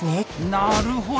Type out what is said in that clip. なるほど！